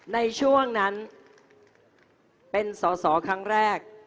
ในช่วงนั้นเป็นสอสอครั้งแรก